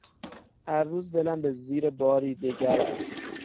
هر روز دلم به زیر باری دگر است